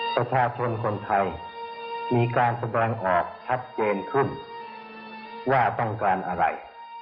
ประชาชนคนไทยมีการแสดงออกชัดเจนขึ้นว่าต้องการอะไร